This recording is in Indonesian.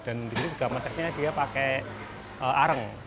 dan di sini juga masaknya dia pakai areng